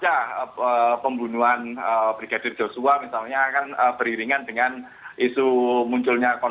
itu terkait sepasca pembunuhan brigadir joshua misalnya kan beriringan dengan isu munculnya konsoran